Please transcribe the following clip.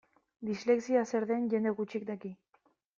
Dislexia zer den jende gutxik daki.